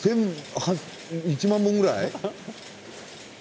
１万本ぐらい？